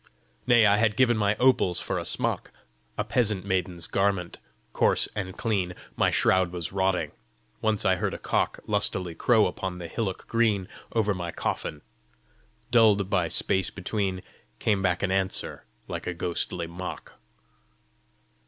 "Nay, I had given my opals for a smock, A peasant maiden's garment, coarse and clean: My shroud was rotting! Once I heard a cock Lustily crow upon the hillock green Over my coffin. Dulled by space between, Came back an answer like a ghostly mock."